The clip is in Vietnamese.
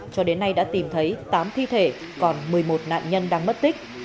cho đến nay đã tìm thấy tám thi thể còn một mươi một nạn nhân đang mất tích